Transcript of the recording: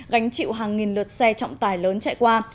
gánh chịu hàng nghìn lượt xe trọng tài lớn chạy qua